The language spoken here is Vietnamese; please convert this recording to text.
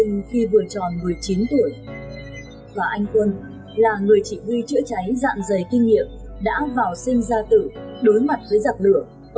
trong ba chiến sĩ hy sinh phúc là người trẻ tuổi nhất em hy sinh khi vừa tròn một mươi chín tuổi và anh quân là người chỉ huy chữa cháy dạng giày kinh nghiệm đã vào sinh gia tự đối mặt với giặc lửa ở những trận đánh đầy hiểm quý